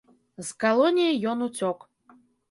З калоніі ён уцёк.